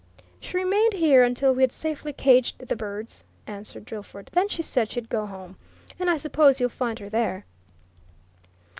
"She remained here until we'd safely caged the birds," answered Drillford. "Then she said she'd go home. And I suppose you'll find her there."